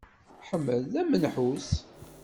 Ḥmed d amenḥus.